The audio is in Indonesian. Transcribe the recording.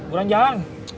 gua mau jalan